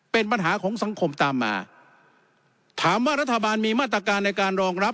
เป็นปัญหาของสังคมตามมาถามว่ารัฐบาลมีมาตรการในการรองรับ